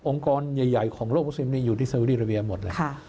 กรใหญ่ของโลกมุซิมนี่อยู่ที่สวิดีราเวียหมดเลย